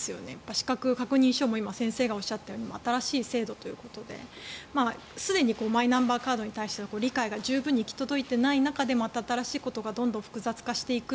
資格確認書も今、先生がおっしゃったように新しい制度ということですでにマイナンバーカードに対しての理解が十分に行き届いていない中でまた新しいことがどんどん複雑化していく。